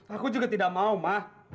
aku juga tidak mau ma